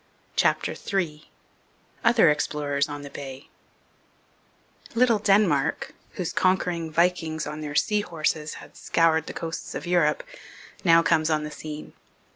CHAPTER III OTHER EXPLORERS ON THE BAY Little Denmark, whose conquering Vikings on their 'sea horses' had scoured the coasts of Europe, now comes on the scene.